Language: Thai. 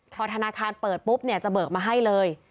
พอธนาคารเปิดปุ๊บเนี่ยจะเบิกมาให้เลย